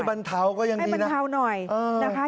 ให้บรรเทาก็ยังดีนะ